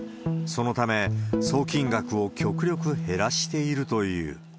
そのため、送金額を極力減らしているという。